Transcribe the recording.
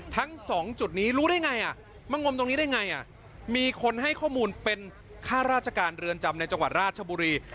ทั้งสองจุดนี้รู้ได้ไงมางมตรงนี้ได้ไงมีคนให้ข้อมูลเป็นข้าราชการเรือนจำในจังหวัดราชบุรี